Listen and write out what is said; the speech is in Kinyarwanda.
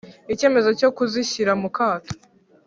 Icyemezo cyo kuzishyira mu kato